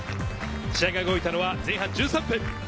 試合が動いたのは前半１３分。